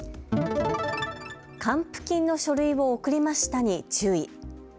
還付金の書類を送りましたに注意。